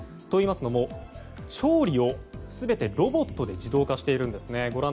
といいますのも調理を全てロボットで自動化しているんですね。